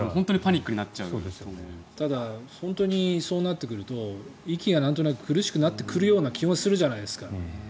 そんなこと言われたら本当にそうなってくると息がなんとなく苦しくなってくるような気がするじゃないですか。